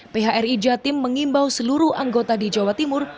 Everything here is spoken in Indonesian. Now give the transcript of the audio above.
phri jatim mengimbau seluruh anggota di jawa timur